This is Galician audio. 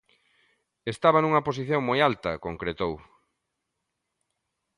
Estaba nunha posición moi alta, concretou.